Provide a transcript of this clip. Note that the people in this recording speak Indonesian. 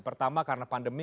pertama karena pandemi